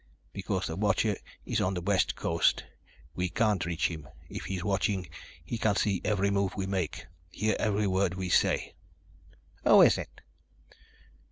"Because the watcher is on the West Coast. We can't reach him. If he's watching, he can see every move we make, hear every word we say." "Who is it?"